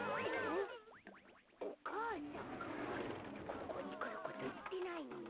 ここにくることいってないのに。